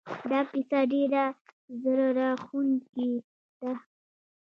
دا کیسه ډېره زړه راښکونکې ده